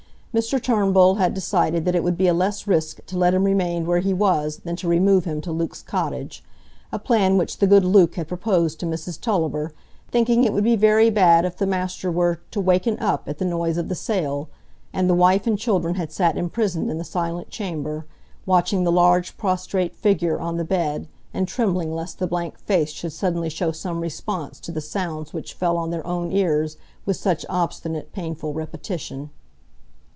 Mr Turnbull had decided that it would be a less risk to let him remain where he was than to remove him to Luke's cottage,—a plan which the good Luke had proposed to Mrs Tulliver, thinking it would be very bad if the master were "to waken up" at the noise of the sale; and the wife and children had sat imprisoned in the silent chamber, watching the large prostrate figure on the bed, and trembling lest the blank face should suddenly show some response to the sounds which fell on their own ears with such obstinate, painful repetition.